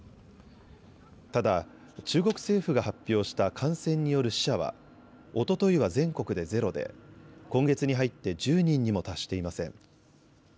ただ、中国政府が発表した感染による死者はおとといは全国でゼロで今月に入って１０人にも達していません。